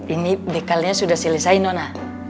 ini bekalnya sudah selesai nona